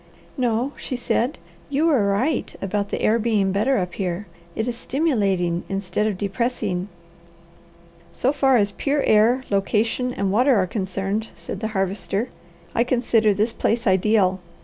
"No," she said. "You are right about the air being better up here. It is stimulating instead of depressing." "So far as pure air, location, and water are concerned," said the Harvester, "I consider this place ideal.